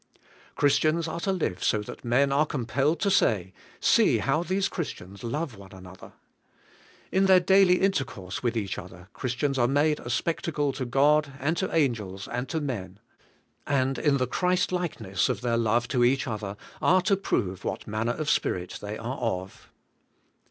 Christians are to live so that men are com 13 194 ABIDE IN CHRIST: pelled to say, 'See how these Christians love one an other/ In their daily intercourse with each other, Christians are made a spectacle to God, and to an gels, and to men; and in the Christ likeness of their love to each other, are to prove what manner of spirit they are of.